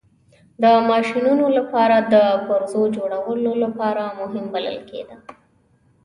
د ماشینونو لپاره د پرزو جوړولو لپاره مهم بلل کېده.